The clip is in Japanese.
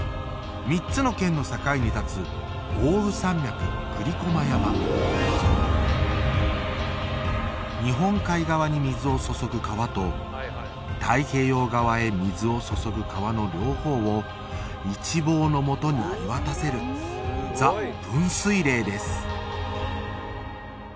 ３つの県の境に立つ奥羽山脈栗駒山日本海側に水を注ぐ川と太平洋側へ水を注ぐ川の両方を一望のもとに見渡せる「ＴＨＥ分水嶺」です